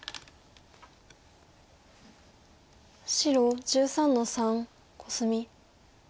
白１３の三コスミ。